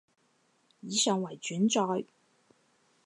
以上為轉載